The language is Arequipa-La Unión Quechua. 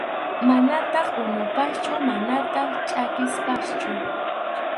Manataq unupaschu manataq chʼakipaschu.